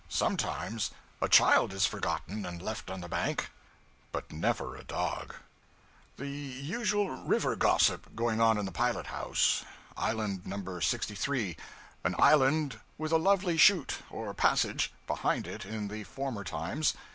Sometimes a child is forgotten and left on the bank; but never a dog. The usual river gossip going on in the pilot house. Island No. 63 an island with a lovely 'chute,' or passage, behind it in the former times.